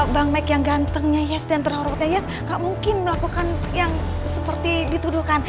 bang mike yang gantengnya yes dan terhormatnya yes nggak mungkin melakukan hal yang tidak bisa diperlukan